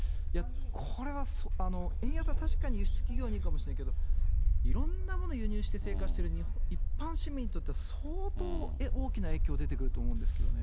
これは円安は確かに輸出企業にいいかもしれないけど、いろんなもの輸入して生活している一般市民にとっては、相当大きな影響出てくると思うんですよね。